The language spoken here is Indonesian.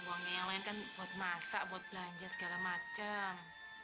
uangnya yang lain kan buat masak buat belanja segala macam